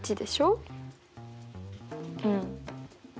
うん。